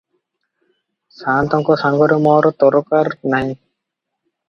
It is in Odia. ସାଆନ୍ତଙ୍କ ସାଙ୍ଗରେ ମୋର ତରକାର ନାହିଁ ।